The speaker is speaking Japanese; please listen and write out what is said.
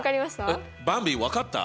えっばんび分かった？